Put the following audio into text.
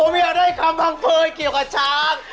เมียได้คำพังเผยเกี่ยวกับช้าง